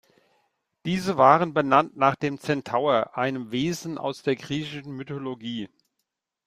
Diese waren benannt nach dem Kentaur, einem Wesen aus der griechischen Mythologie.